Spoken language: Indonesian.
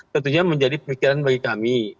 tentunya menjadi pikiran bagi kami